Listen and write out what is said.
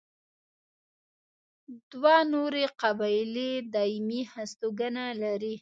دوه نورې قبیلې دایمي هستوګنه لري.